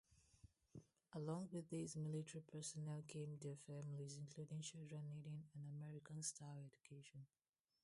Along with these military personnel came their families, including children needing an American-style education.